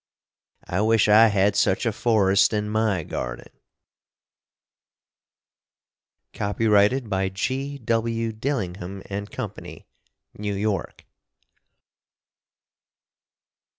I wish I had such a Forrest in my Garding! Copyrighted by G.W. Dillingham and Company, New York.